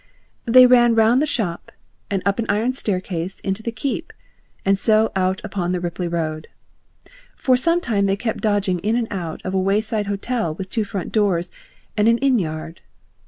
They ran round the shop and up an iron staircase into the Keep, and so out upon the Ripley road. For some time they kept dodging in and out of a wayside hotel with two front doors and an inn yard.